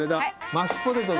マッシュポテトだ。